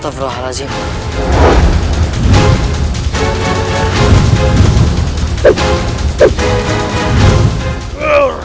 kepala kujang kempar